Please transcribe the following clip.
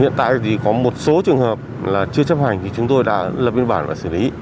hiện tại thì có một số trường hợp là chưa chấp hành thì chúng tôi đã lập biên bản và xử lý